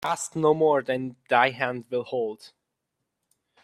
Grasp no more than thy hand will hold